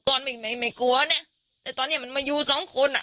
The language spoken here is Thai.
ตอนไม่ไม่กลัวเนี่ยแต่ตอนเนี้ยมันมาอยู่สองคนอ่ะ